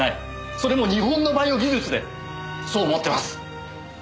それも日本のバイオ技術でそう思ってます。